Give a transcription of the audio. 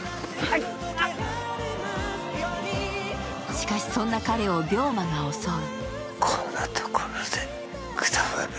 しかし、そんな彼を病魔が襲う。